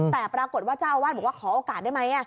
แต่ปรากฏว่าเจ้าอาวาสบอกว่าขอโอกาสได้ไหม